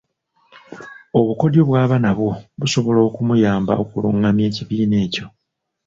Obukodyo bw’aba nabwo busobola okumuyamba okulungamya ekibiina ekyo.